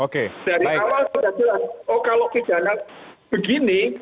dari awal sudah jelas oh kalau pidana begini